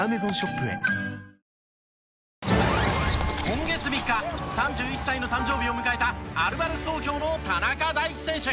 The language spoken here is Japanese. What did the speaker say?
今月３日３１歳の誕生日を迎えたアルバルク東京の田中大貴選手。